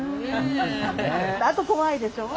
あと怖いでしょう？